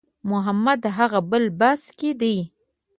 محمد هغه بل بس کې دی.